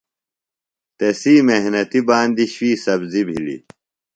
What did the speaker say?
تسی محنتیۡ باندیۡ شُوئی سبزیۡ بِھلیۡ۔